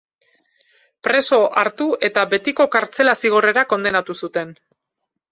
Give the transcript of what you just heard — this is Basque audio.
Preso hartu eta betiko kartzela-zigorrera kondenatu zuten.